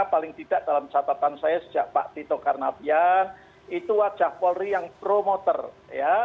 paling tidak dalam catatan saya sejak pak tito karnavian itu wajah polri yang promoter ya